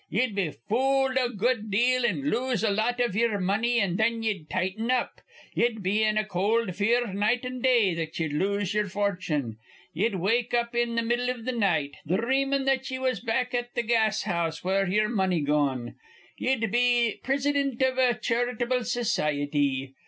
Ye'd be fooled a good deal an' lose a lot iv ye'er money, an' thin ye'd tighten up. Ye'd be in a cold fear night an' day that ye'd lose ye'er fortune. Ye'd wake up in th' middle iv th' night, dhreamin' that ye was back at th' gas house with ye'er money gone. Ye'd be prisidint iv a charitable society.